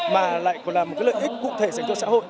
mà lại còn là một cái lợi ích cụ thể dành cho xã hội